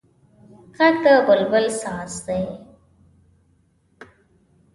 غږ د بلبل ساز دی